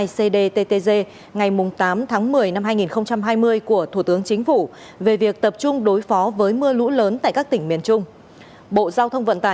xin chào các bạn